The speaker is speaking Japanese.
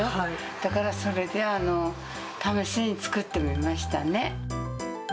だから、それで試しに作ってみましたね。